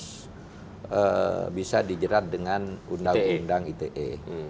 itu kasus bisa dijerat dengan undang undang ite